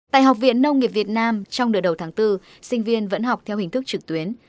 tại học viện nông nghiệp việt nam trong nửa đầu tháng bốn sinh viên vẫn học theo hình thức trực tuyến